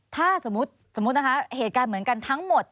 ถ้าสมมุติเหตุการณ์เหมือนกันทั้งหมด